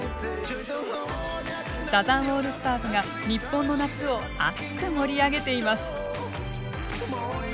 サザンオールスターズが日本の夏を熱く盛り上げています。